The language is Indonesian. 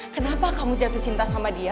kenapa kamu jatuh cinta sama dia